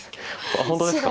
あっ本当ですか？